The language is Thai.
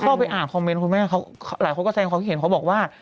ครูเข้าไปอ่านคอมเมนต์คุณแม่เขาเห็นเขาบอกว่า